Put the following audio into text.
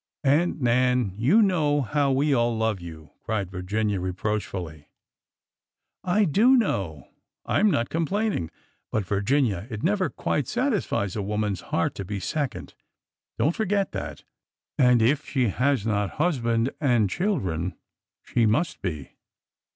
Aunt Nan, you know how we all love you !" cried Virginia, reproachfully. I do know. I 'm not complaining. But, Virginia, it never quite satisfies a woman's heart to be second. Don't forget that. And if she has not husband and children she must be."